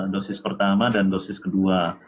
dosis pertama dan dosis kedua